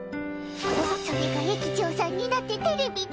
それが駅長さんになってテレビに。